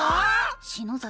篠崎